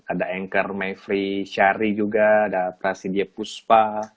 ada anchor mayfri syari juga ada presidye puspa